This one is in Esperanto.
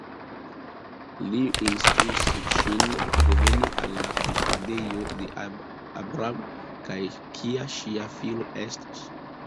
Li instruis ŝin reveni al la kampadejo de Abram, kaj kia ŝia filo estos.